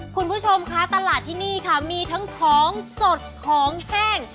คุณผู้ชมคะตลาดที่นี่ค่ะมีทั้งของสดของแห้ง